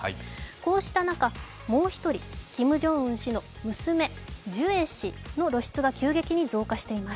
こうした中、もう１人、キム・ジョンウン氏の娘、娘・ジュエ氏の露出が急激に増えています。